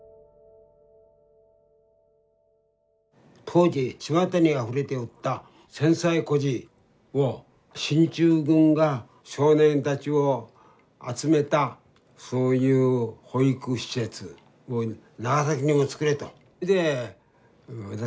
当時ちまたにあふれておった戦災孤児を進駐軍が「少年たちを集めたそういう保育施設を長崎にもつくれ！」と。